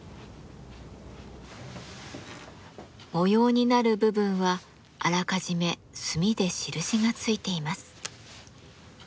模様になる部分はあらかじめ墨で印がついています。